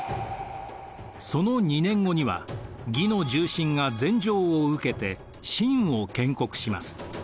その２年後には魏の重臣が禅譲を受けて晋を建国します。